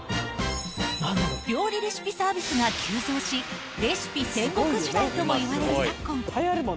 料理レシピサービスが急増し、レシピ戦国時代ともいわれる昨今。